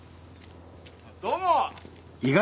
・どうも！